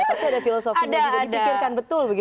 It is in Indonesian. tapi ada filosofinya juga dipikirkan betul gitu ya